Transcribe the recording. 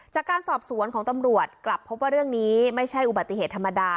จากการสอบสวนของตำรวจกลับพบว่าเรื่องนี้ไม่ใช่อุบัติเหตุธรรมดา